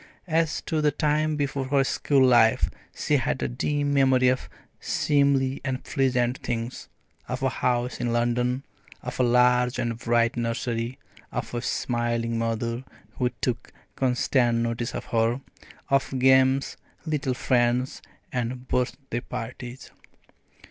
As to the time before her school life, she had a dim memory of seemly and pleasant things, of a house in London, of a large and bright nursery, of a smiling mother who took constant notice of her, of games, little friends, and birthday parties.